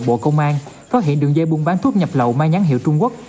bộ công an phát hiện đường dây buôn bán thuốc nhập lậu mang nhãn hiệu trung quốc